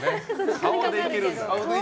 顔でいけるんだね。